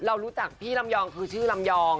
เรารู้จักพี่ลำยองคือชื่อลำยอง